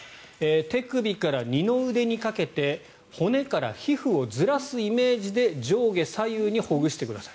手首から二の腕にかけて骨から皮膚をずらすイメージで上下左右にほぐしてください。